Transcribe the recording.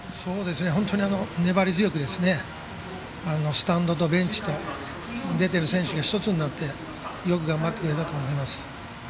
本当に粘り強くスタンドとベンチと出てる選手が１つになってよく頑張ってくれたと思います。